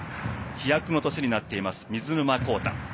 飛躍の年になっています水沼宏太。